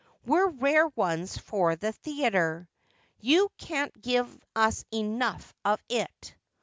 We're rare ones for the theayter. You can't give us enough of it.'